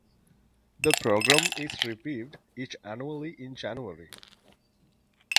The programme is reviewed each annually in January.